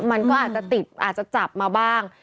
มันก็อาจจะติดอาจจะจับมาบ้าง